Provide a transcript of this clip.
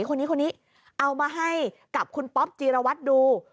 คนนี้เอามาให้กับคุณป๊อบจีรวัชดู